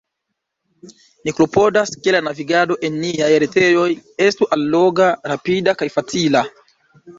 Ni klopodas, ke la navigado en niaj retejoj estu alloga, rapida kaj facila.